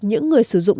những người sử dụng